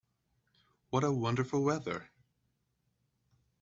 What a wonderful weather!